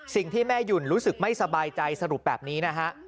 สิ่งที่แม่หยุ่นรู้สึกไม่สบายใจสรุปแบบนี้นะฮะ